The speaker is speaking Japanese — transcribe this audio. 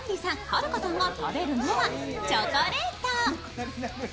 はるかさんが食べるのはチョコレート。